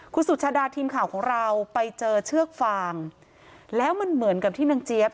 คุณสุชาดาทีมข่าวของเราไปเจอเชือกฟางแล้วมันเหมือนกับที่นางเจี๊ยบ